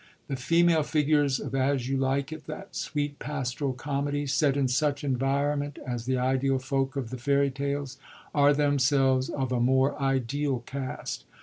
The female figures of As You Like It, that sweet pastoral comedy, set in such environment as the ideal folk of the fairy tales, are themselves of a more ideal cast.